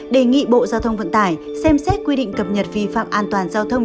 đề nghị bộ giao thông vận tải xem xét quy định cập nhật vi phạm an toàn giao thông